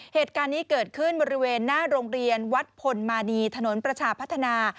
เหตุการณ์นี้เกิดขึ้นบริเวณหน้าโรงเรียนวัดพลมานีถนนประชาพัฒนา